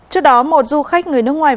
trước đó một du khách người nước ngoài